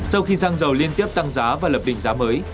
sau khi xăng dầu liên tiếp tăng giá và lập đỉnh giá mới